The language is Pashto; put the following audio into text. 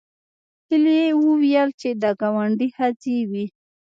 هیلې وویل چې د ګاونډي ښځې وې